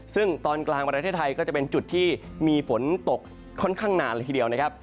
ซึ่งตอนกลางประเทศไทยก็จะเป็นจุดที่มีฝนตกค่อนข้างนานเลยทีเดียวนะครับ